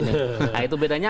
nah itu bedanya